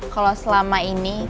kalo selama ini